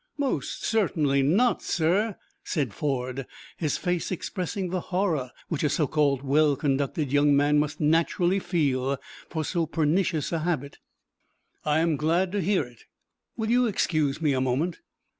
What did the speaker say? "Most certainly not, sir," said Ford, his face expressing the horror which a so well conducted young man must naturally feel for so pernicious a habit. "I am glad to hear it. Will you excuse me a moment?"